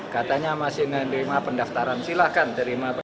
katanya masih menerima pendaftaran silahkan terima